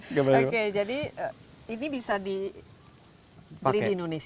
oke jadi ini bisa dibeli di indonesia